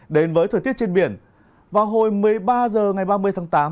đến với thời tiết trên biển vào hồi một mươi ba h ngày ba mươi tháng tám